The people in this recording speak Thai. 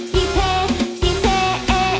สิเปสิเปเอเอเอ